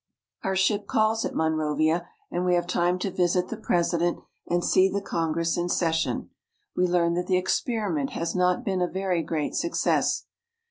Our ship calls at Monrovia, and we have time to visit the president and see the congress in session. We learn that the experiment has not been a very great success.